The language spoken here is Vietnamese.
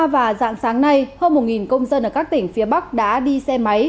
và dạng sáng nay hơn một công dân ở các tỉnh phía bắc đã đi xe máy